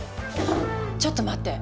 ちょっと待って！